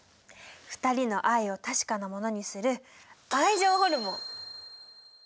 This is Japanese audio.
２人の愛を確かなものにする愛情ホルモン！